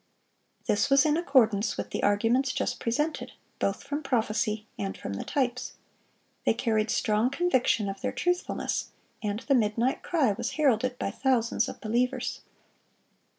This was in accordance with the arguments just presented, both from prophecy and from the types. They carried strong conviction of their truthfulness; and the "midnight cry" was heralded by thousands of believers.